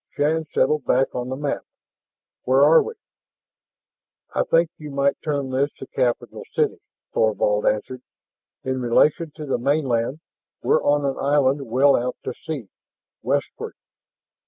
Shann settled back on the mat. "Where are we?" "I think you might term this the capital city," Thorvald answered. "In relation to the mainland, we're on an island well out to sea westward."